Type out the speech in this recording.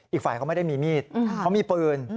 อีกฝ่ายเขาไม่ได้มีมีดเขามีปืน